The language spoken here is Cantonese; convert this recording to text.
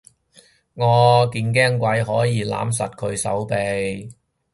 我堅驚鬼可以攬實佢手臂